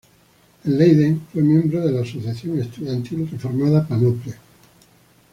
En Leiden, fue miembro de la asociación estudiantil Reformada Panoplia.